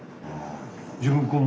自分こう。